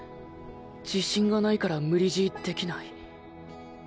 自信がないから無理強いできない。